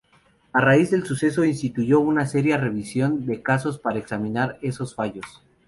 A raíz del suceso instituyó una seria revisión de casos para examinar esos fallos.